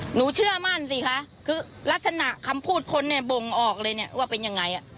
เชื่อมั่นสิคะคือลักษณะคำพูดคนเนี่ยบ่งออกเลยเนี่ยว่าเป็นยังไง